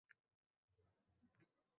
davlat